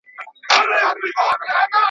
د جنګونو د شیطان قصر به وران سي.